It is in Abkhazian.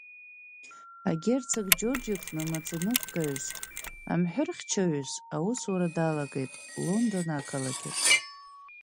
Агерцог Џьорџь иҟны маӡаныҟәгаҩыс, амҳәыр хьчаҩыс аусура далагоит Лондон ақалақь аҿы.